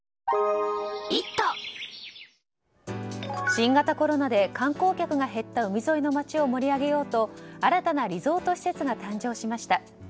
新型コロナで観光客が減った海沿いの町を盛り上げようと新たなリゾート施設が誕生しました。